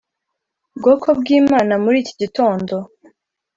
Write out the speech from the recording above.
Bwoko bw’Imana muri iki gitondo